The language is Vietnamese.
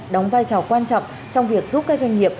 đóng vai trò quan trọng trong việc giúp các doanh nghiệp